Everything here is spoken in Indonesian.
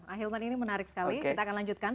ahilman ini menarik sekali kita akan lanjutkan